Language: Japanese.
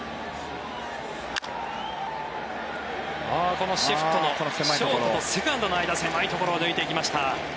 このシフトのショートとセカンドの間狭いところを抜いていきました。